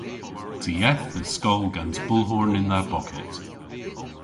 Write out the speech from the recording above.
Ty eth dhe skol gans bulhorn yn dha bocket.